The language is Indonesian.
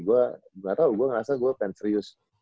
gue gak tau gue ngerasa gue pengen serius